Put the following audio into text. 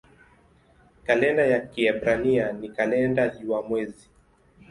Kalenda ya Kiebrania ni kalenda jua-mwezi.